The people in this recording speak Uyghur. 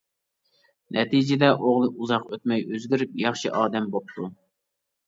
نەتىجىدە ئوغلى ئۇزاق ئۆتمەي ئۆزگىرىپ ياخشى ئادەم بوپتۇ.